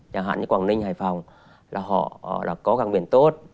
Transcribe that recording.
chẳng hạn như quảng ninh hay phòng là họ đã có cảng biển tốt